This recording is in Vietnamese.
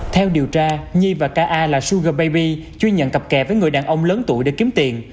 theo điều tra nhi và k a là sugar baby chuyên nhận cặp kè với người đàn ông lớn tuổi để kiếm tiền